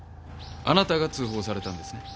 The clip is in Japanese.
あなたが通報されたんですね？